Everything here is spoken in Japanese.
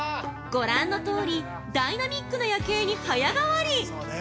◆ご覧のとおりダイナミックな夜景に早変わり。